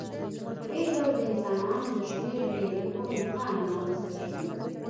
په دې ډول د انسانانو د شمېر ډېرېدو امکان رامنځته شو.